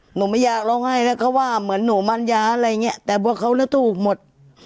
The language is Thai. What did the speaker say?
หนูไม่อยากร้องให้แล้วเขาว่าเหมือนหนูมันยาอะไรเงี้ยแต่พวกเขาแล้วถูกหมด